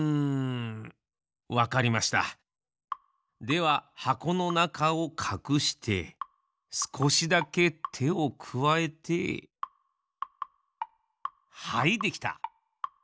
でははこのなかをかくしてすこしだけてをくわえてはいできた！